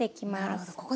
なるほど。